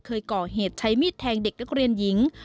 เคยก่อเหตุใช้มีดแทงเด็กนักเรียนหญิง